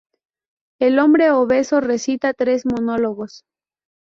El hombre obeso recita tres monólogos.